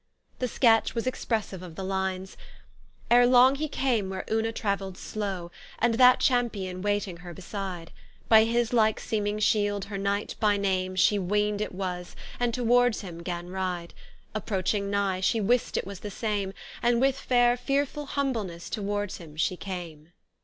The sketch was expressive of the lines :" Ere long he came where Una traveild slow, And that champion wayting her besyde. .. By his like seeming shield her knight by name Shee weend it was, and towards him gan ride: Approaching nigh, she wist it was the same; And with faire fearefull humblesse towards him shee came."